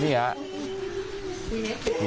เมื่อ